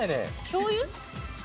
しょう油？